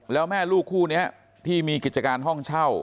แล้วแม่ลูกคู่นี้ที่มีกิจการห้องเช่า